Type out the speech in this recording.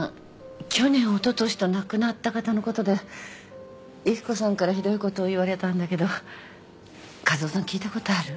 去年おととしと亡くなった方のことで雪子さんからひどいことを言われたんだけど和夫さん聞いたことある？